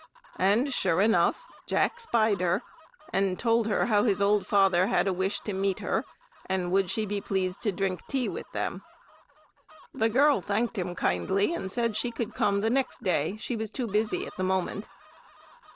And sure enough Jack spied her and told her how his old father had a wish to meet her, and would she be pleased to drink tea with them. The girl thanked him kindly, and said she could come the next day; she was too busy at the moment.